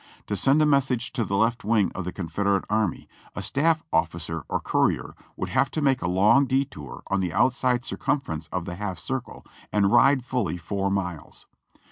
To send a message to the left wing of the Confed erate army a staff officer or courier would have to make a long detour on the outside circumference of the half circle and ride fully four miles.